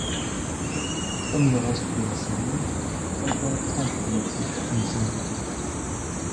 Comme le reste de la série, la toile prend pour motif une scène populaire.